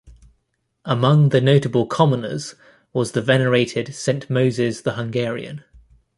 Among the notable commoners was the venerated Saint Moses the Hungarian.